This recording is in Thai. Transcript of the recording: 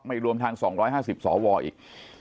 รวมทาง๒๕๐สวอีก